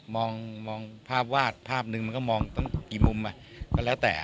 มองมองภาพวาดภาพหนึ่งมันก็มองตั้งกี่มุมก็แล้วแต่